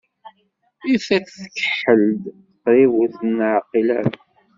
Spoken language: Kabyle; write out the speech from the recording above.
I tiṭ tkeḥḥel-d, qrib ur tt-neɛqil ara.